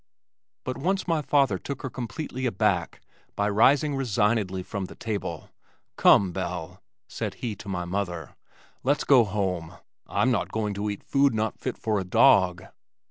But once my father took her completely aback by rising resignedly from the table "Come, Belle," said he to my mother, "let's go home. I'm not going to eat food not fit for a dog."